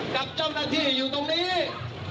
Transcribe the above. กับเจ้าหน้าที่อยู่ตรงนี้